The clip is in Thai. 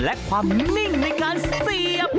และความนิ่งในการเสียบ